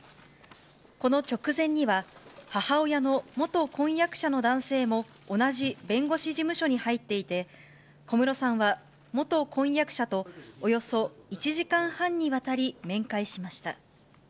この直前には、母親の元婚約者の男性も同じ弁護士事務所に入っていて、小室さんは元婚約者と、およそ１時間半にわたり面会しました。